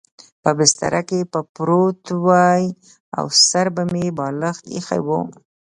په بستره کې به پروت وای او سر به مې پر بالښت اېښی و.